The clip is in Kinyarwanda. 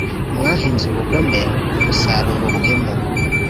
Mwahinze ubugome, musarura ubuhemu,